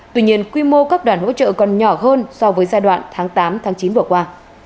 tuy nhiên quy mô các đoàn hỗ trợ còn nhỏ hơn so với giai đoạn tháng tám tháng chín vừa qua